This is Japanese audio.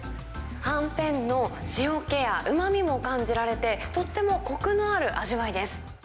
はんぺんの塩気やうまみも感じられて、とってもこくのある味わいです。